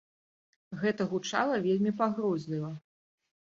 Гэта гучала вельмі пагрозліва.